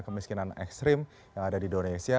kemiskinan ekstrim yang ada di indonesia